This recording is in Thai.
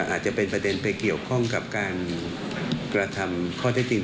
อาจจะเป็นประเด็นไปเกี่ยวข้องกับการกระทำข้อเท็จจริง